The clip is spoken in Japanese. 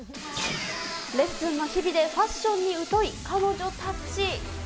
レッスンの日々でファッションに疎い彼女たち。